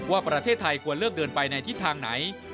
ว่าประเทศไทยควรเลือกเดินไปในทิศทางไหน